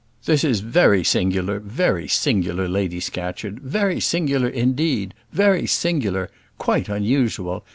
"This is very singular, very singular, Lady Scatcherd; very singular, indeed; very singular; quite unusual.